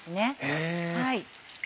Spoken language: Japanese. へぇ。